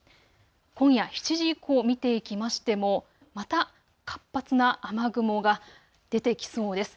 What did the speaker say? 今夜７時以降見ていきましてもまた活発な雨雲が出てきそうです。